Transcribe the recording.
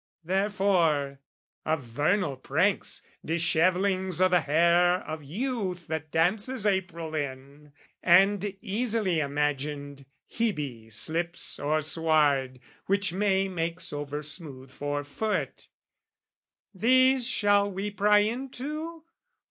Therefore of vernal pranks, dishevellings O' the hair of youth that dances April in, And easily imagined Hebe slips O'er sward which May makes over smooth for foot These shall we pry into?